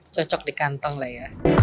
cocok di kantong lah ya